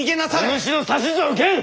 お主の指図は受けん！